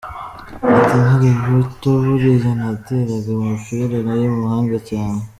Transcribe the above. Ati “Nkiri muto buriya nateraga umupira, nari umuhanga cyane.